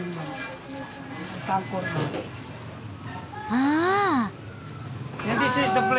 ああ。